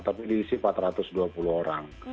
tapi diisi empat ratus dua puluh orang